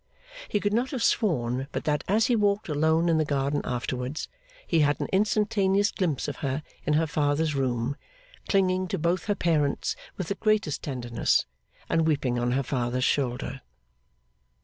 He could not have sworn but that as he walked alone in the garden afterwards, he had an instantaneous glimpse of her in her father's room, clinging to both her parents with the greatest tenderness, and weeping on her father's shoulder.